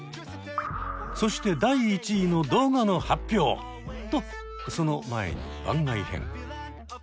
そして第１位の動画の発表！とその前に番外編。